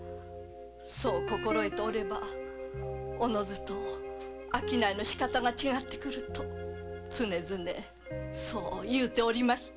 そう心得ておればおのずと商売のしかたが違ってくる」と常々そう言うておりました。